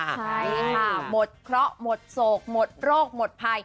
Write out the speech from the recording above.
ใช่ค่ะหมดเคราะห์หมดโศกหมดโรคหมดภัย